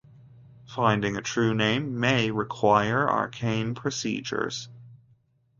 Finding a true name may require arcane procedures.